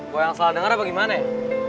gue yang salah dengar apa gimana ya